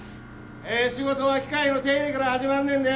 ええ仕事は機械の手入れから始まんねんで！